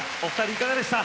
いかがでしたか？